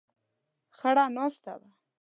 خړه ناسته وه.